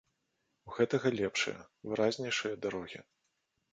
У гэтага лепшыя, выразнейшыя дарогі.